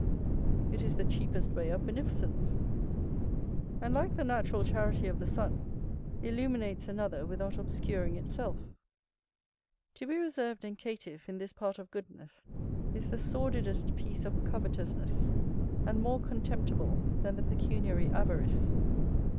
It is the cheapest way of beneficence, and, like the natural charity of the sun, illuminates another without obscuring itself. To be reserved and caitiff in this part of goodness is the sordidest piece of covetousness, and more contemptible than the pecuniary avarice.